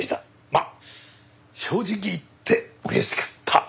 まあ正直言って嬉しかった。